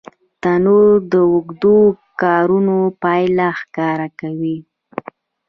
تنور د اوږدو کارونو پایله ښکاره کوي